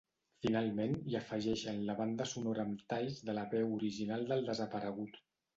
Finalment, hi afegeixen la banda sonora amb talls de la veu original del desaparegut.